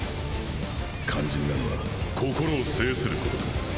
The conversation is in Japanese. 肝心なのは心を制する事さ